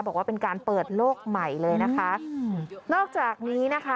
บอกว่าเป็นการเปิดโลกใหม่เลยนะคะอืมนอกจากนี้นะคะ